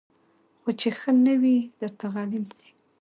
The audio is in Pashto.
خو چي ښه نه وي درته غلیم سي